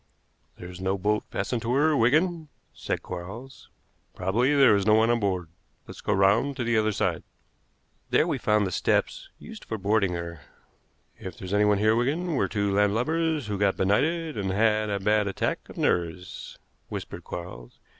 "There's no boat fastened to her, Wigan," said Quarles. "Probably there is no one on board. Let's go round to the other side." There we found the steps used for boarding her. "If there's anyone here, Wigan, we're two landlubbers who've got benighted and have a bad attack of nerves," whispered Quarles.